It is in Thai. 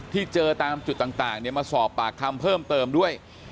ที่เจอตามจุดต่างมาสอบปากคำเพิ่มเติมด้วย